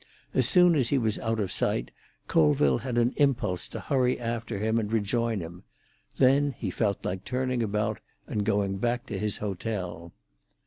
As soon as he was out of sight, Colville had an impulse to hurry after him and rejoin him; then he felt like turning about and going back to his hotel.